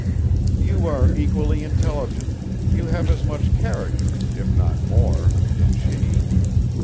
"You are equally intelligent; you have as much character, if not more, than she